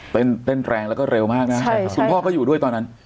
เต้นเต้นแรงแล้วก็เร็วมากนะคุณพ่อก็อยู่ด้วยตอนนั้น